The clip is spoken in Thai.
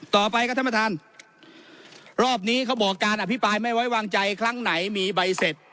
ต่อไปครับท่านประธานรอบนี้เขาบอกการอภิปรายไม่ไว้วางใจครั้งไหนมีใบเสร็จ